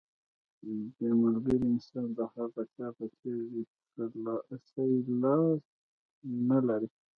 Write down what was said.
بې ملګري انسان د هغه چا په څېر دی چې ښی لاس نه لري.